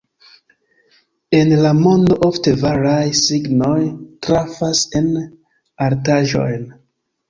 En la mondo ofte varaj signoj trafas en artaĵojn.